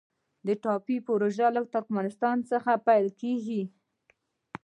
ټاپي پروژه له ترکمنستان پیلیږي